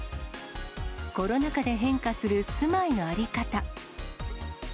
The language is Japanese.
コロナ禍で変化する住まいの在り方。